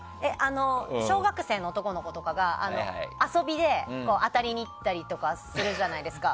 小学生の男の子とかが遊びで当たりに行ったりとかするじゃないですか。